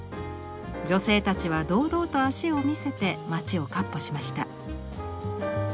女性たちは堂々と脚を見せて街をかっ歩しました。